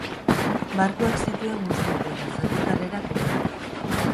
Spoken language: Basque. Barkuak zituen gustuko eta zaldi karrerak ere bai.